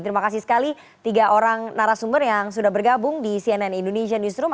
terima kasih sekali tiga orang narasumber yang sudah bergabung di cnn indonesia newsroom